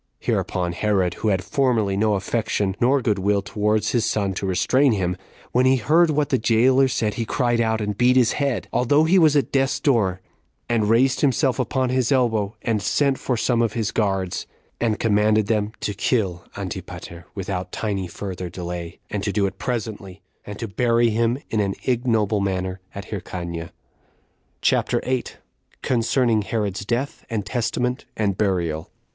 Hereupon Herod, who had formerly no affection nor good will towards his son to restrain him, when he heard what the jailer said, he cried out, and beat his head, although he was at death's door, and raised himself upon his elbow, and sent for some of his guards, and commanded them to kill Antipater without tiny further delay, and to do it presently, and to bury him in an ignoble manner at Hyrcania. CHAPTER 8. Concerning Herod's Death, And Testament, And Burial.